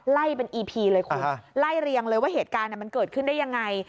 ไล่เป็นอีพีเลยคุณไล่เรียงเลยว่าเหตุการณ์มันเกิดขึ้นได้ยังไง